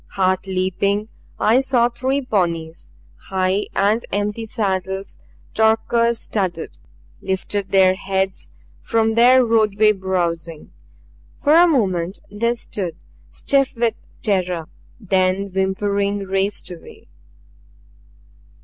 Heart leaping, I saw three ponies, high and empty saddles turquoise studded, lift their heads from their roadway browsing. For a moment they stood, stiff with terror; then whimpering raced away.